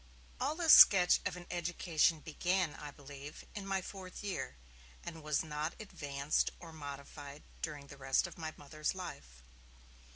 All this sketch of an education began, I believe, in my fourth year, and was not advanced or modified during the rest of my Mother's life.